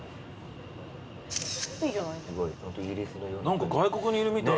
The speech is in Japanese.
何か外国にいるみたい。